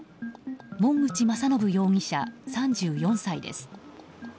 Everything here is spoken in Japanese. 門口雅信容疑者、３４歳です。